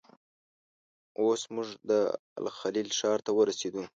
اوس موږ د الخلیل ښار ته ورسېدو.